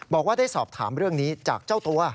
บอกว่าได้สอบถามเรื่องนี้จากเจ้าตัว